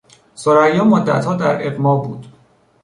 ثریا مدتها در اغما بود.